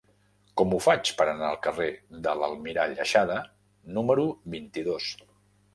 Com ho faig per anar al carrer de l'Almirall Aixada número vint-i-dos?